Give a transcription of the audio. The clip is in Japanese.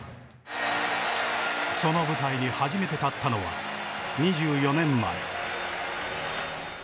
その舞台に初めて立ったのは２４年前。